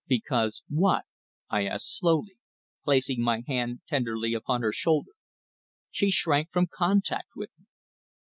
"Because what?" I asked slowly, placing my hand tenderly upon her shoulder. She shrank from contact with me.